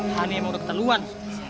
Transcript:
hah ini emang udah keteluan